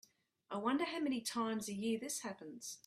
I wonder how many times a year this happens.